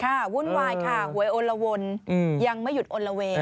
วุ่นวายค่ะหวยโอละวนยังไม่หยุดอลละเวง